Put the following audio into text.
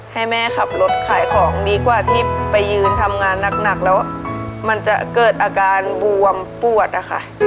ให้แม่ขับรถขายของดีกว่าที่ไปยืนทำงานหนักแล้วมันจะเกิดอาการบวมปวดอะค่ะ